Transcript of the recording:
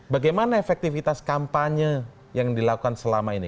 bagaimana efektivitas kampanye yang dilakukan selama ini